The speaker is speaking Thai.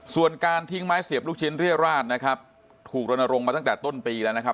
ส่วนการทิ้งไม้เสียบลูกชิ้นเรียราชนะครับถูกรณรงค์มาตั้งแต่ต้นปีแล้วนะครับ